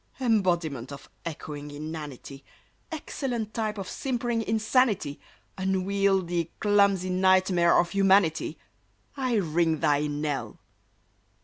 Embodiment of echoing inanity! Excellent type of simpering insanity! Unwieldy, clumsy nightmare of humanity! I ring thy knell!